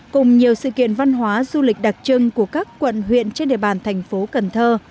cùng nhiều sự kiện văn hóa du lịch đặc trưng của các quận huyện trên địa bàn thành phố cần thơ